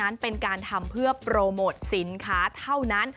อะไรนะไม่ได้ยิน